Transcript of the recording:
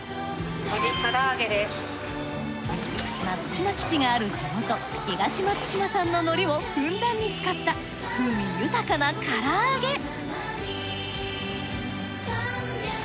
松島基地がある地元東松島産の海苔をふんだんに使った風味豊かな唐揚げ。